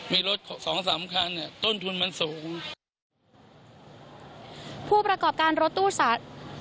มีรถ๒๓คันต้นทุนมันสูง